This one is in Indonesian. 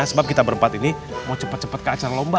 sebab kita berempat ini mau cepat cepat ke acara lomba